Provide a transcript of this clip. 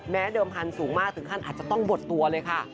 เดิมพันธุ์สูงมากถึงขั้นอาจจะต้องบดตัวเลยค่ะ